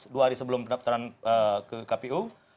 dua hari sebelum pendaftaran ke kpu